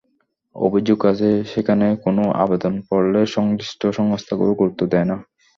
অভিযোগ আছে, সেখানে কোনো আবেদন পড়লে সংশ্লিষ্ট সংস্থাগুলো গুরুত্ব দেয় না।